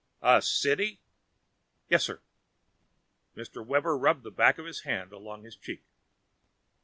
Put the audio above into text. "A city?" "Yes sir." Captain Webber rubbed the back of his hand along his cheek.